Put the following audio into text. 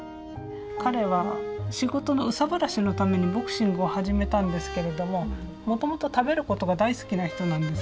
彼は仕事の憂さ晴らしのためにボクシングを始めたんですけれどももともと食べることが大好きな人なんですよ。